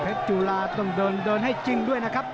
จุฬาต้องเดินให้จริงด้วยนะครับ